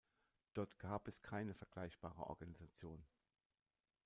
Dort gab es keine vergleichbare Organisation.